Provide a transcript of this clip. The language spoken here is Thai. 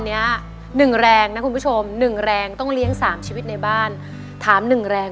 เนี้ยหนึ่งแรงนะคุณผู้ชมหนึ่งแรงต้องเลี้ยงสามชีวิตในบ้านถามหนึ่งแรง